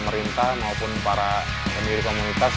mereka harus mengajar mendapatkan pemberi tanggapan